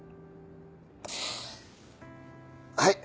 はい！